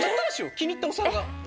気に入ったお皿が。